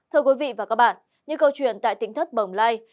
thưa quý vị và các bạn những câu chuyện tại tỉnh thất bồng lai